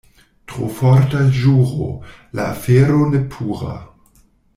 Tro forta ĵuro — la afero ne pura.